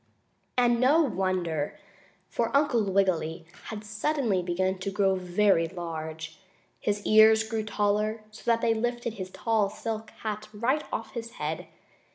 And no wonder! For Uncle Wiggily had suddenly begun to grow very large. His ears grew taller, so that they lifted his tall silk hat right off his head.